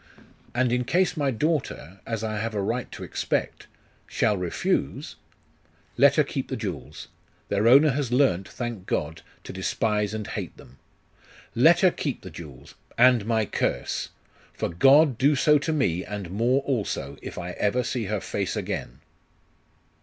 'And in case my daughter, as I have a right to expect, shall refuse ' 'Let her keep the jewels. Their owner has learnt, thank God, to despise and hate them! Let her keep the jewels and my curse! For God do so to me, and more also, if I ever see her face again!